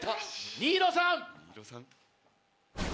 新納さん。